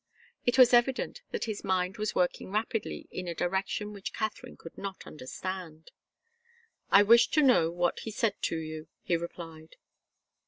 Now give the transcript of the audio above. It was evident that his mind was working rapidly in a direction which Katharine could not understand. "I wish to know what he said to you," he replied.